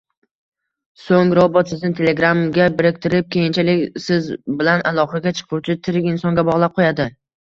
Soʻng robot sizni telegramga biriktirib, keyinchalik siz bilan aloqaga chiquvchi tirik insonga bogʻlab qoʻyadi.